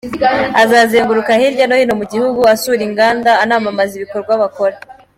Azazenguruka hirya no hino mu gihugu asura inganda anamamaza ibikorwa bakora.